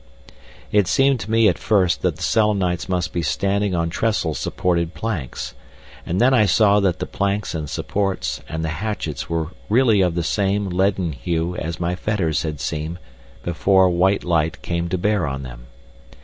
It seemed to me at first that the Selenites must be standing on trestle supported planks, and then I saw that the planks and supports and the hatchets were really of the same leaden hue as my fetters had seemed before white light came to bear on them.